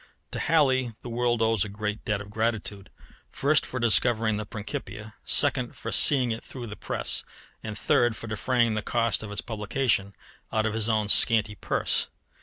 To Halley the world owes a great debt of gratitude first, for discovering the Principia; second, for seeing it through the press; and third, for defraying the cost of its publication out of his own scanty purse.